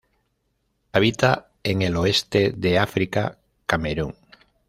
Habita en el oeste de África, Camerún.